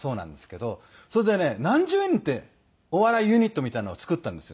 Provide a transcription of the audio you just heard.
それでね何十人ってお笑いユニットみたいのを作ったんですよ。